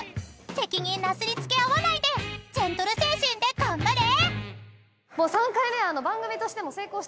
［責任なすり付け合わないでジェントル精神で頑張れ！］